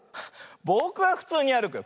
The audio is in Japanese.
ぼくはふつうにあるくよ。